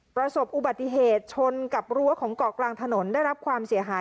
ประสบอุบัติเหตุชนกับรั้วของเกาะกลางถนนได้รับความเสียหาย